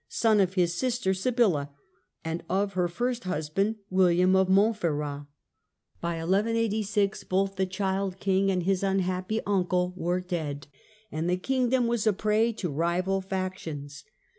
son of his sister Sibylla and of her first. husband, William of Montferrat. By 1186 both the I THE THIRD AND FOURTH CRUSADES 205 child king and his unhappy uncle were dead, and the kingdom was a prey to rival factions.